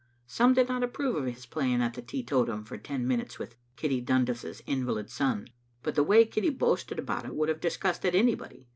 Some did not approve of his playing at the teetotum for ten minutes with Kitty Dundas's invalid son, but the way Kitty boasted about it would have disgusted anybody.